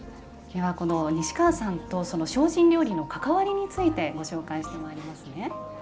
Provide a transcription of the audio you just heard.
では、この西川さんと精進料理の関わりについてご紹介してまいりますね。